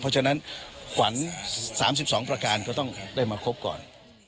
เพราะฉะนั้นขวัญ๓๒ประการก็ต้องได้มาครบก่อน